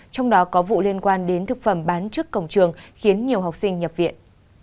trong đó có vụ liên quan đến thực phẩm bán trước cổng trường khiến nhiều học sinh nhập viện